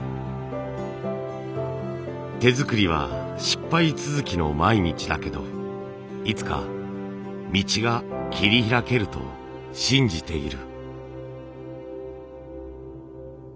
「手造りは失敗続きの毎日だけどいつか道が切り開けると信じている」。